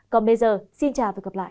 còn bây giờ xin chào và gặp lại